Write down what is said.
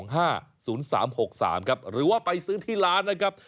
หรือว่าไปซื้อที่ร้านนะครับ